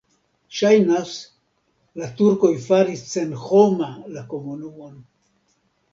Ŝajnas, la turkoj faris senhoma la komunumon.